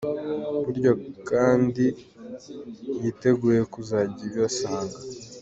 buryo banki yiteguye kuzajya ibasanga.